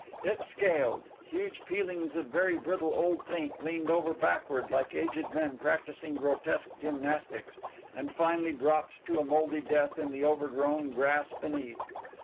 It scaled huge peelings of very brittle old paint leaned over backward like aged men practising grotesque gymnastics and finally dropped to a moldy death in the overgrown grass beneath.